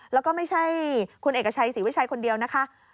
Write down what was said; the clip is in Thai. แล้วก็ไม่ใช่คุณเอกชัยศรีวิชัยคนเดียวนะคะ